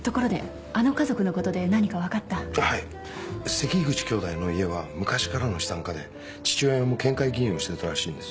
関口姉弟の家は昔からの資産家で父親も県会議員をしてたらしいんです。